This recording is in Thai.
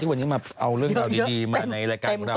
วันนี้มาเอาเรื่องราวดีมาในรายการของเรา